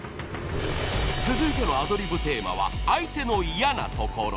［続いてのアドリブテーマは「相手の嫌なところ」］